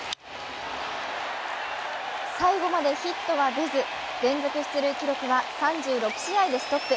最後までヒットは出ず連続出塁記録は３６試合でストップ。